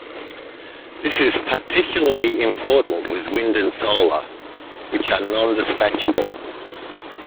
This is particularly important with wind and solar, which are non-dispatchable.